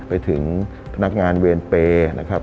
ไปถึงนักงานเวรเปย์นะครับ